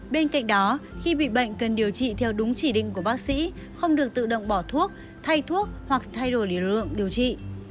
bên cạnh đó khi bị bệnh cần điều trị theo đúng chỉ định của bác sĩ không được tự động bỏ thuốc thay thuốc hoặc thay đổi lý lượng điều trị